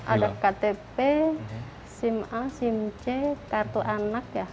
ada ktp sim a sim c kartu anak ya